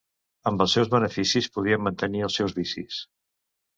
Amb els seus beneficis podien mantenir els seus vicis.